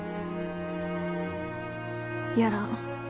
やらん。